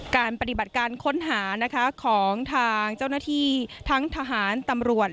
ปฏิบัติการค้นหานะคะของทางเจ้าหน้าที่ทั้งทหารตำรวจ